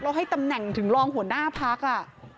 แล้วให้ตำแหน่งถึงรองหัวหน้าพัก